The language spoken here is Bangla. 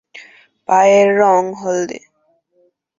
পায়ের রং হলদে।